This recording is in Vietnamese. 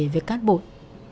về cát bụi